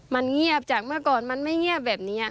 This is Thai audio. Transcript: มันเงียบจากเมื่อก่อนมันไม่เงียบแบบนี้